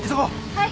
はい。